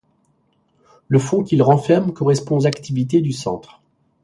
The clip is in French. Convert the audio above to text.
Le fonds qu’il renferme correspond aux activités du centre.